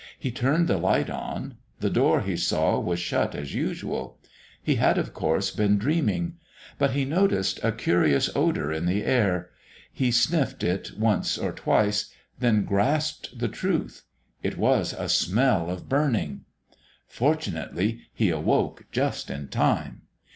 He turned the light on. The door, he saw, was shut as usual. He had, of course, been dreaming. But he noticed a curious odour in the air. He sniffed it once or twice then grasped the truth. It was a smell of burning! Fortunately, he awoke just in time....